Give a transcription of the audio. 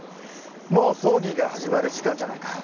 もう葬儀が始まる時間じゃないか。